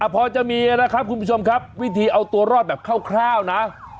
พอจะมีนะครับคุณผู้ชมครับวิธีเอาตัวรอดแบบคร่าวนะ